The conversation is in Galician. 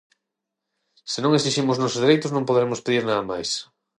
Se non exiximos os nosos dereitos non poderemos pedir nada máis.